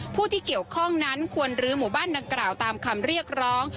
ผู้ที่เกี่ยวข้องนั้นควรลื้อหมู่บ้านดังกล่าวตามคำเรียกร้อง